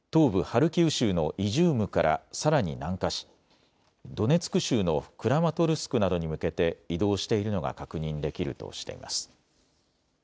ハルキウ州のイジュームからさらに南下し、ドネツク州のクラマトルスクなどに向けて移動しているのが確認できるとしています。